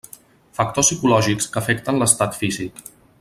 Factors psicològics que afecten l'estat físic.